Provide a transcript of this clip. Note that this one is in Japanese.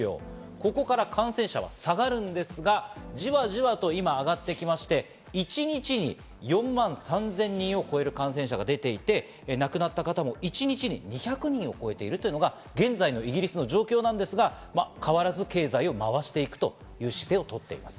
ここから感染者は下がるんですが、じわじわと今上がってきまして、一日に４万３０００人を超える感染者が出ていて、亡くなった方も一日に２００人を超えているというのが現在のイギリスの状況ですが、変わらず経済を回していくという姿勢をとっています。